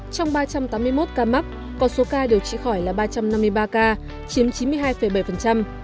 trong ba trăm tám mươi một ca mắc còn số ca điều trị khỏi là ba trăm năm mươi ba ca chiếm chín mươi hai bảy